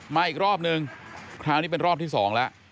อีกรอบนึงคราวนี้เป็นรอบที่๒แล้ว